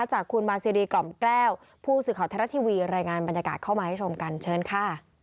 จากคุณมาซีรีกล่อมแก้วผู้สื่อข่าวไทยรัฐทีวีรายงานบรรยากาศเข้ามาให้ชมกันเชิญค่ะ